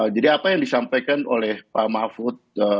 jadi apa yang disampaikan oleh pak mahfud